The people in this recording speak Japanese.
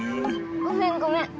ごめんごめん。